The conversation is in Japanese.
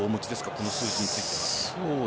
この数字については。